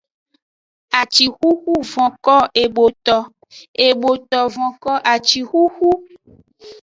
Acixuxu vonko eboto, eboto vonko acixuxu.